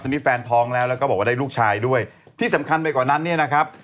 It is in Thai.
นี่แฟนท้องแล้วแล้วก็บอกว่าได้ลูกชายด้วยที่สำคัญไปกว่านั้นเนี่ยนะครับ